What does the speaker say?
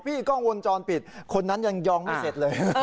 กล้องวงจรปิดคนนั้นยังยองไม่เสร็จเลย